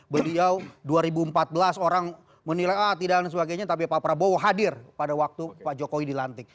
beliau dua ribu empat belas orang menilai ah tidak dan sebagainya tapi pak prabowo hadir pada waktu pak jokowi dilantik